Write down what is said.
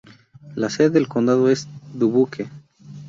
La sede del condado es Dubuque.